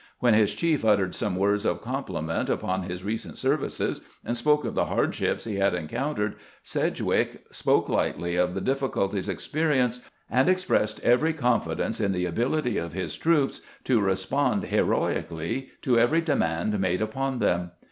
When his chief uttered some words of compliment upon his recent services, and spoke of the hardships he had encountered, Sedgwick spoke lightly of the difficulties experienced, and expressed every confidence in the abil ity of his troops to respond heroically to every demand made upon them.